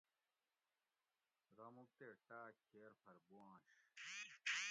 راموگ تے ٹاۤک کھیر پھر بواںش